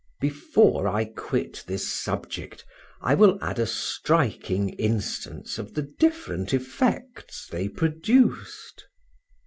Before I quit this subject, I will add a striking instance of the different effects they produced.